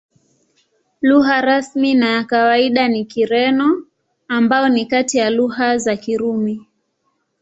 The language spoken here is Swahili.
Lugha rasmi na ya kawaida ni Kireno, ambayo ni kati ya lugha za Kirumi.